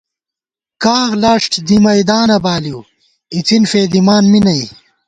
کاغ لاݭٹ دی مَئیدانہ بالِؤ اِڅِن فېدِمان می نئ